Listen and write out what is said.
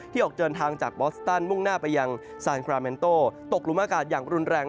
ออกเดินทางจากบอสตันมุ่งหน้าไปยังซานคราแมนโต้ตกหลุมอากาศอย่างรุนแรง